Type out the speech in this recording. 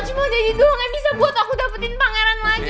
jadi doang yang bisa buat aku dapetin pangeran lagi